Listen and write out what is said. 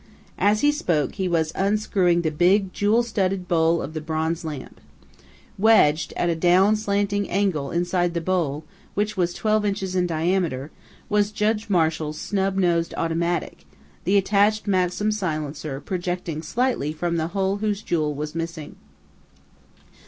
As he spoke, he was unscrewing the big, jewel studded bowl of the bronze lamp. Wedged, at a down slanting angle inside the bowl, which was twelve inches in diameter, was Judge Marshall's snub nosed automatic, the attached Maxim silencer projecting slightly from the hole whose jewel was missing.